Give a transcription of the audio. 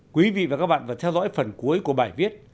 quý vị và các bạn vừa theo dõi phần cuối của bài viết